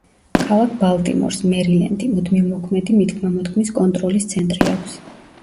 ქალაქ ბალტიმორს, მერილენდი, მუდმივმოქმედი მითქმა-მოთქმის კონტროლის ცენტრი აქვს.